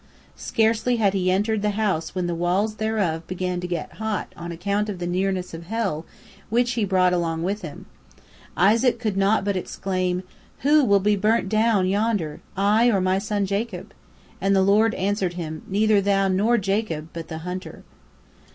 Scarcely had he entered the house when the walls thereof began to get hot on account of the nearness of hell, which he brought along with him. Isaac could not but exclaim, "Who will be burnt down yonder, I or my son Jacob?" and the Lord answered him, "Neither thou nor Jacob, but the hunter."